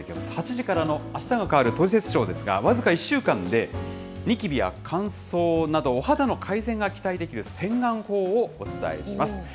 ８時からのあしたが変わるトリセツショーですが、僅か１週間でにきびや乾燥などのお肌の改善が期待できる洗顔法をお伝えします。